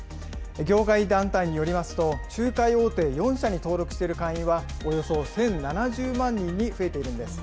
業界団体によりますと、仲介大手４社に登録している会員は、およそ１０７０万人に増えているんです。